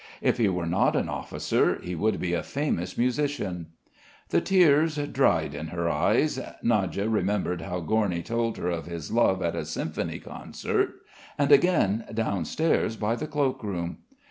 If he were not an officer, he would be a famous musician. The tears dried in her eyes. Nadya remembered how Gorny told her of his love at a symphony concert, and again downstairs by the cloak room.